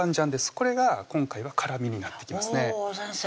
これが今回は辛みになってきますね先生